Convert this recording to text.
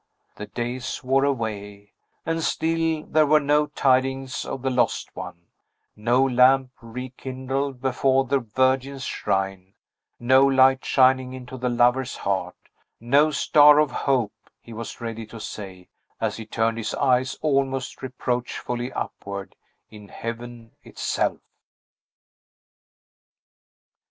The days wore away, and still there were no tidings of the lost one; no lamp rekindled before the Virgin's shrine; no light shining into the lover's heart; no star of Hope he was ready to say, as he turned his eyes almost reproachfully upward in heaven itself!